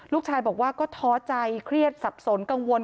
ลูกชายบอกว่าก็ท้อใจเครียดสับสนกังวล